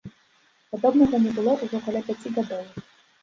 Падобнага не было ўжо каля пяці гадоў.